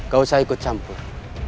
gak usah ikut campur